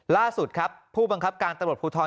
ล่าสุดครับผู้บังคับการตำรวจภูทร